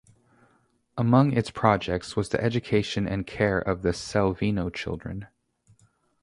Among its projects was the education and care of the Selvino children.